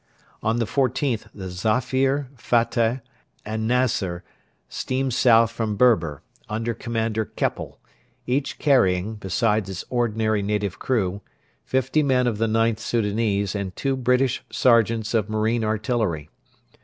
On the 14th the Zafir, Fateh, and Naser steamed south from Berber, under Commander Keppel, each carrying, besides its ordinary native crew, fifty men of the IXth Soudanese and two British sergeants of Marine Artillery.